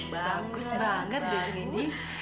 bagus banget deh jeng endi